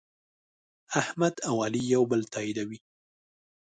احمد او علي یو بل تأییدوي.